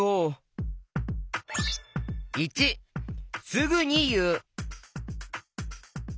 ①すぐにいう。